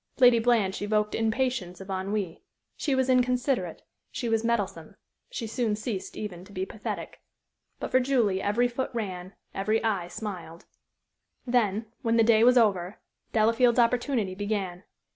Lady Blanche evoked impatience of ennui. She was inconsiderate; she was meddlesome; she soon ceased even to be pathetic. But for Julie every foot ran, every eye smiled. Then, when the day was over, Delafield's opportunity began.